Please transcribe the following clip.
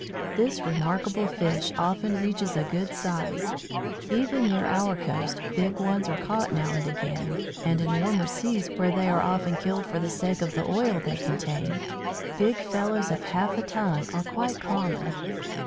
This remarkable fish often reaches a good size; even near our coast big ones are caught now and again, and in warmer seas, where they are often killed for the sake of the oil they contain, big fellows of half a ton are quite common.